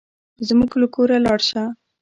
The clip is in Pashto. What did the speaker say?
زموږ له کوره لاړ شه.